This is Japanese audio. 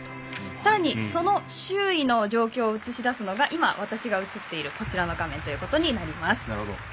さらに、その周囲の状況を映し出すのが今、私が映っているこちらの画面となります。